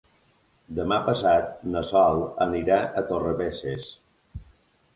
Demà passat na Sol anirà a Torrebesses.